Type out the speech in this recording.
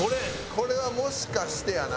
これはもしかしてやな。